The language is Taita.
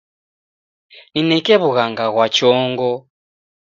Nineke wughanga ghwa chongo.